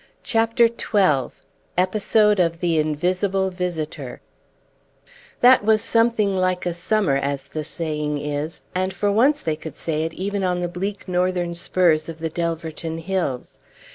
CHAPTER XII EPISODE OF THE INVISIBLE VISITOR That was something like a summer, as the saying is, and for once they could say it even on the bleak northern spurs of the Delverton Hills.